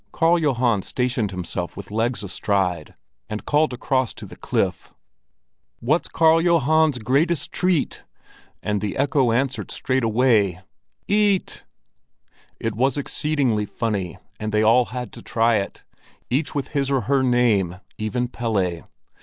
Karl Johan stationed himself with legs astride, and called across to the cliff: "What's Karl Johan's greatest treat?" And the echo answered straight away: "Eat!" It was exceedingly funny, and they all had to try it, each with his or her name—even Pelle.